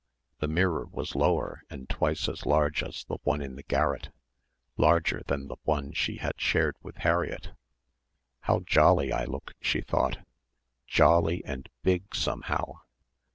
The mirror was lower and twice as large as the one in the garret, larger than the one she had shared with Harriett. "How jolly I look," she thought, "jolly and big somehow.